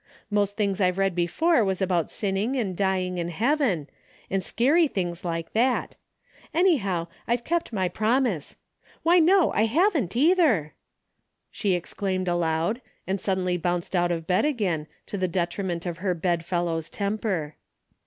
Most things I've read before was about sinning and dying and heaven, and scarey 254 A DAILY RATE.'^ things like that. Anyhow, I've kept my promise. Why, no I haven't, either !" she ex claimed aloud, and suddenly bounced out of bed again, to the detriment of her bed fellow's temper.